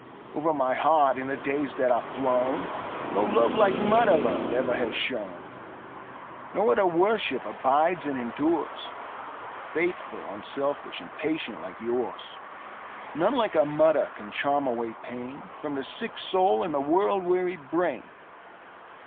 Over my heart, in the days that are flown, No love like mother love ever has shone; No other worship abides and endures,—Faithful, unselfish, and patient like yours:None like a mother can charm away painFrom the sick soul and the world weary brain.